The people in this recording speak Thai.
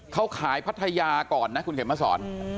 เขาขายพัทยาก่อนนะคุณเข็มมาสอน